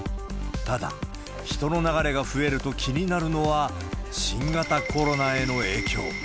ただ、人の流れが増えると気になるのは、新型コロナへの影響。